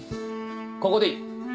ここでいい！